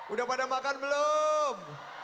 udah pada makan belum